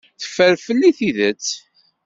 Teffer fell-i tidet.